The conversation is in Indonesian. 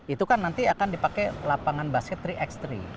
itu kan nanti akan dipakai lapangan basket tiga x tiga